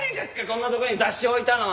こんなとこに雑誌置いたの！